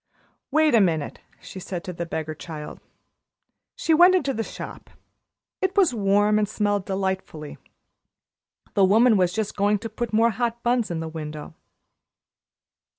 "Wait a minute," she said to the beggar child. She went into the shop. It was warm and smelled delightfully. The woman was just going to put more hot buns in the window.